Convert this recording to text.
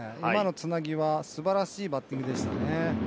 今のつなぎは素晴らしいバッティングでしたね。